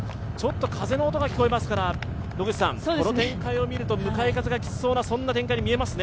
風の音が聞こえますから、この展開をみると向かい風がきつそうな展開に見えますね。